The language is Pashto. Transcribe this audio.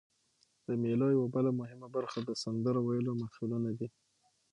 د مېلو یوه بله مهمه برخه د سندرو ویلو محفلونه دي.